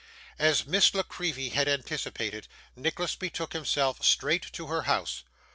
As Miss La Creevy had anticipated, Nicholas betook himself straight to her house.